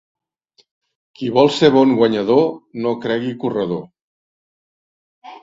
Qui vol ser bon guanyador no cregui corredor.